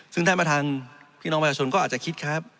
ซึ่งแทดประทางพี่น้องประหลาดก็อาจจะคิดครับ